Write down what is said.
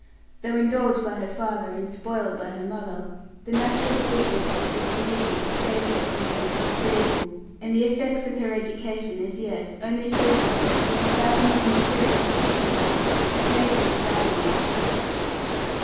Though indulged by her father, and spoiled by her mother, the natural sweetness of her disposition saved her from being disagreeable, and the effects of her education as yet only showed themselves in a thousand imperious prettinesses, which made her the darling of the ship.